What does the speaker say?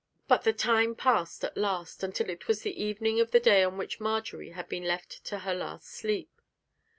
But the time passed at last, until it was the evening of the day on which Marjory had been left to her last sleep.